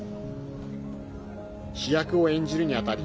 主役を演じるにあたり